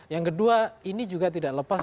yang kedua ini juga tidak lepas